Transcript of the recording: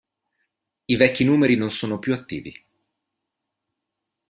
I vecchi numeri non sono più attivi.